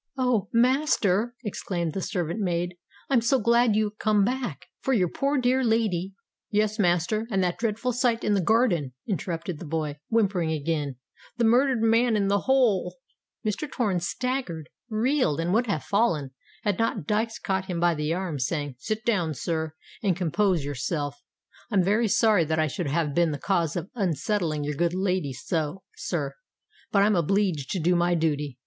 "Oh! master," exclaimed the servant maid, "I am so glad you're come back;—for your poor dear lady——" "Yes, master—and that dreadful sight in the garden," interrupted the boy, whimpering again,—"the murdered man in the hole——" Mr. Torrens staggered—reeled—and would have fallen, had not Dykes caught him by the arm, saying, "Sit down, sir—and compose yourself. I'm very sorry that I should have been the cause of unsettling your good lady so, sir: but I'm obleeged to do my dooty.